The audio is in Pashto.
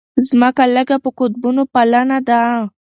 ځمکه لږه په قطبونو پلنه ده.